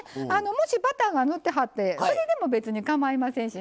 もしバターが塗ってはってそれでも別にかまいませんしね。